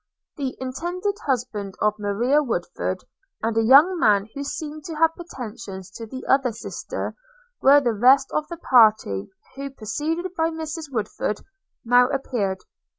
The intended husband of Maria Woodford, and a young man who seemed to have pretensions to the other sister, were the rest of the party; who, preceded by Mrs Woodford, now appeared.